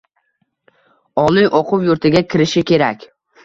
Oliy o‘quv yurtiga kirishi kerak.